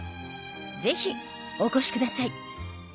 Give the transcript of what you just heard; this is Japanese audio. ぜひお越しください